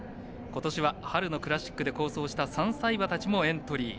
今年は春のクラシックで好走した３歳馬たちもエントリー。